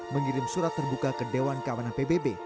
mengirim surat terbuka ke dewan keamanan pbb